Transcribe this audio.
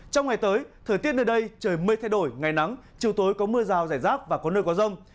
trong ngày tới thời tiết nơi đây trời mây thay đổi ngày nắng chiều tối có mưa rào rải rác và có nơi có rông